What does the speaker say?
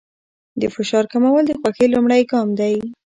د فشار کمول د خوښۍ لومړی ګام دی.